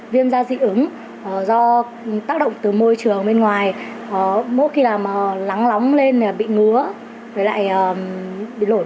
viêm da dị ứng do tác động từ môi trường bên ngoài mỗi khi làm lắng lóng lên là bị ngứa với lại lỗi